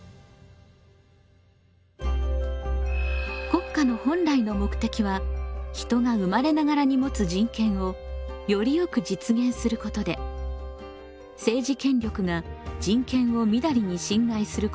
国家の本来の目的は人が生まれながらにもつ人権をよりよく実現することで政治権力が人権をみだりに侵害することは許されません。